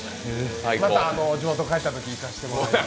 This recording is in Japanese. また、地元帰ったとき行かせてもらいます。